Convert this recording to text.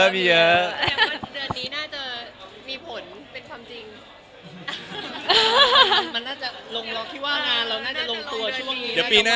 มีเยอะ